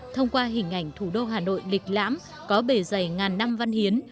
thông qua hình ảnh thủ đô hà nội lịch lãm có bề dày ngàn năm văn hiến